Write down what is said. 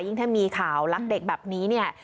ยิ่งถ้ามีข่าวรักเด็กแบบนี้